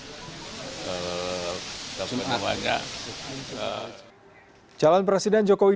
jalan presiden jokowi dodo membantah tudingan yang menyebut pasangannya calon wakil presiden maruf amin